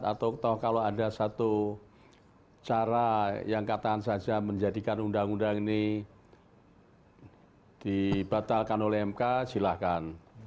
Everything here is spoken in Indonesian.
atau kalau ada satu cara yang katakan saja menjadikan undang undang ini dibatalkan oleh mk silahkan